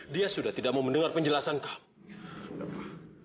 dia sudah tidak mau mendengar penjelasan kamu